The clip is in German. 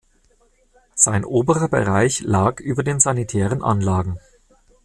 Sein oberer Bereich lag über den sanitären Anlagen.